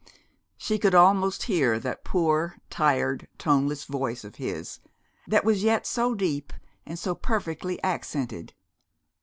She could almost hear that poor, tired, toneless voice of his, that was yet so deep and so perfectly accented....